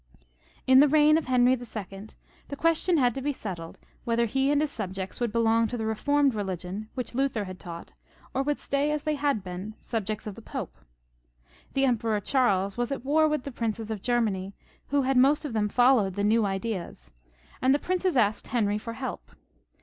In the reign of Henry II. the question had to be settled whether he and his subjects would belong to the reformed religion which Luther had taught, or would stay as they had been, subjects of the Pope. The Emperor Charles was at war with the princes of Germany, who had most of them followed the new ideas, and the princes asked Henry for help.